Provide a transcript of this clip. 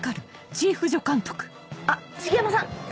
あっ茂山さん